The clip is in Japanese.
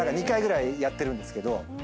２回ぐらいやってるんですけど。